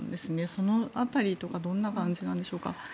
その辺りどんな感じなんでしょうか。